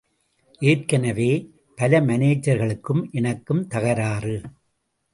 ஏற்கனவே, பல மானேஜர்களுக்கும் எனக்கும் தகராறு.